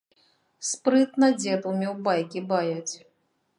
Спрытна дзед умеў байкі баяць.